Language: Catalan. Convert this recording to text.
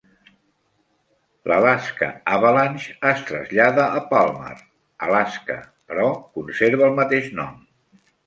L'Alaska Avalanche es trasllada a Palmer, Alaska, però conserva el mateix nom.